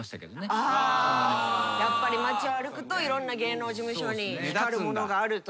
やっぱり街を歩くといろんな芸能事務所に光るものがあると。